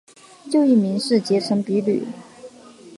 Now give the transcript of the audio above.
旧艺名是结城比吕。